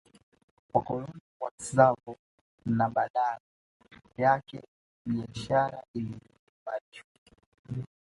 Wakoloni wa Tsavo na badala yake biashara iliimarishwa